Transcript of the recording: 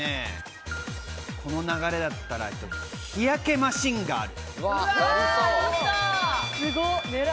この流れだったら日焼けマシンがある。